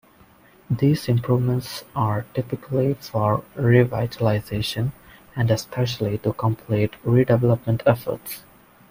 These improvements are typically for revitalization and especially to complete redevelopment efforts.